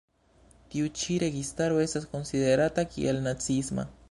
Tiu ĉi registaro estas konsiderata kiel naciisma.